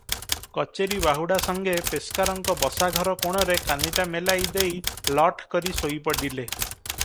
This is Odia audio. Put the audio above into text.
କଚେରି ବାହୁଡ଼ା ସଙ୍ଗେ ପେସ୍କାରଙ୍କ ବସାଘର କୋଣରେ କାନିଟା ମେଲାଇ ଦେଇ ଲଠ କରି ଶୋଇ ପଡିଲେ ।